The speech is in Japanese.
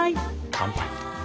乾杯。